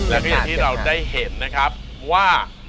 แล้วก็อย่างที่เราได้เห็นนะครับว่า